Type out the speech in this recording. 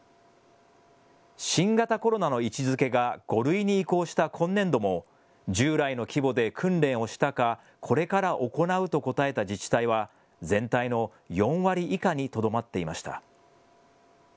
新型コロナの位置づけが５類に移行した今年度も従来の規模で訓練をしたか、これから行うと答えた自治体は全体の４割以下にとどまっていました。